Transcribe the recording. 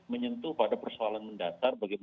ya ini menyentuh pada persoalan mendatar bagi kita